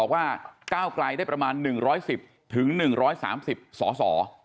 ว่าก้าวกลายได้ประมาณ๑๑๐ถึง๑๓๐ส่อ